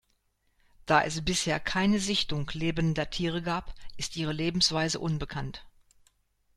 Da es bisher keine Sichtung lebender Tiere gab, ist ihre Lebensweise unbekannt.